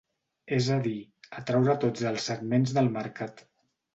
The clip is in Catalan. És a dir, atraure tots els segments del mercat.